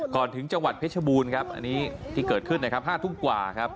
ก่อนถึงจังหวัดเพชรบูรณ์ครับอันนี้ที่เกิดขึ้นนะครับ๕ทุ่มกว่าครับ